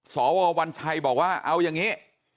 สววัญชัยบอกว่าเอาอย่างนี้